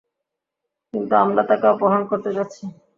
কিন্তু আমরা তাকে অপহরণ করতে যাচ্ছি!